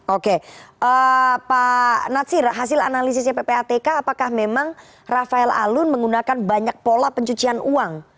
oke pak natsir hasil analisisnya ppatk apakah memang rafael alun menggunakan banyak pola pencucian uang